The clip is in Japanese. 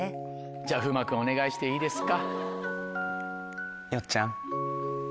じゃ風磨君お願いしていいですか？